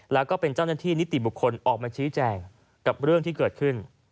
แล้วก็เป็นเจ้าหน้าที่นิติบุคคลออกมาชี้แจงกับเรื่องที่เกิดขึ้น